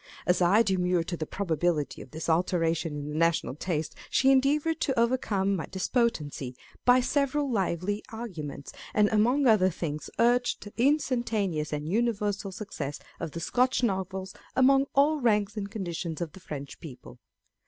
As I demurred to the probability of this alteration in the national taste, she endeavoured to overcome my despon dency by several lively arguments, and among other things, urged the instantaneous and universal success of the Scotch Novels among all ranks and conditions of the French people.